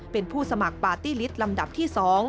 เป็นผู้สมัครปาร์ตี้ลิตลำดับที่๒